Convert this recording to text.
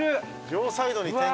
両サイドに天狗！